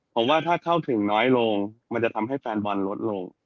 ผมว่าถ้าเข้าถึงน้อยลงมันจะทำให้แฟนบอลลดลง